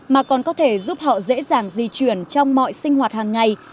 mà còn có thể giúp họ dễ dàng di chuyển trong mọi sinh hoạt hàng ngày